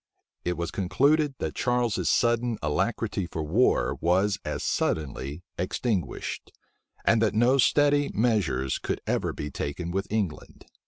It was concluded that Charles's sudden alacrity for war was as suddenly extinguished, and that no steady measures could ever be taken with England.